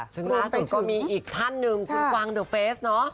ซึ่งล่าสุดก็มีอีกท่านหนึ่งคุณกวางเดอร์เฟสเนอะ